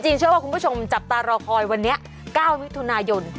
เชื่อว่าคุณผู้ชมจับตารอคอยวันนี้๙มิถุนายน